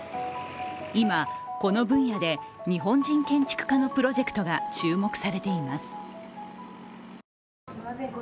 今、この分野で日本人建築家のプロジェクトが注目されています。